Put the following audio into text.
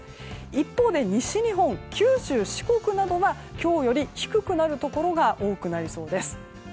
一方で西日本、九州、四国などは今日より低くなるところが多くなりそうです。